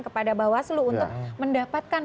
kepada bawaslu untuk mendapatkan